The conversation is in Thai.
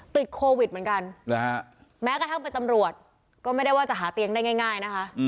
ติดโควิดเหมือนกันแม้กระทั่งเป็นตำรวจก็ไม่ได้ว่าจะหาเตียงได้ง่ายนะคะ